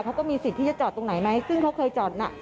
เขาก็มีสิทธิ์ที่จะจอดตรงไหนไหมซึ่งเขาเคยจอดน่ะ